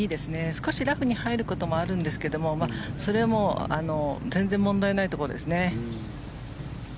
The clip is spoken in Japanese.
少しラフに入ることもあるんですがそれも全然問題ないところですね。